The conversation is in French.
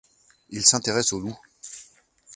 Il s'intéresse au loup.